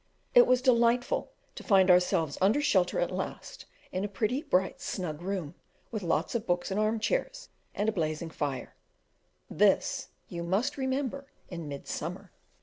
It was delightful to find ourselves under shelter at last in a pretty bright snug room, with lots of books and arm chairs, and a blazing fire; this, you must remember, in midsummer.